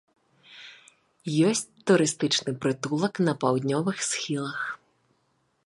Ёсць турыстычны прытулак на паўднёвых схілах.